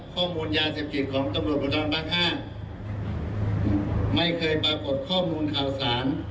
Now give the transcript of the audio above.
ข้อมูลยาเศรษฐิตของตรงรวจบทรวนปังห้าไม่เคยปรากฏข้อมูลข่าวสาร